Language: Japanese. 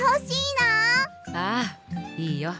ああいいよ。